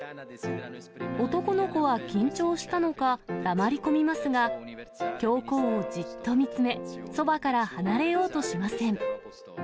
男の子は緊張したのか、黙り込みますが、教皇をじっと見つめ、そばから離れようとしません。